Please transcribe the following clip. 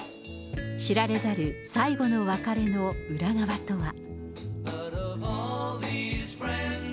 知られざる最後の別れの裏側とは。